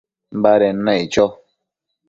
baded naic cho